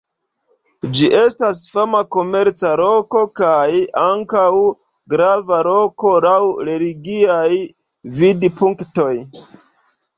Ĝi estis fama komerca loko kaj ankaŭ grava loko laŭ religiaj vidpunktoj.